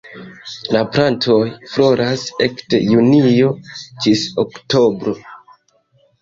La plantoj floras ekde junio ĝis oktobro.